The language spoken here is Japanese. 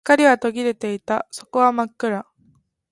光は途切れていた。底は真っ暗。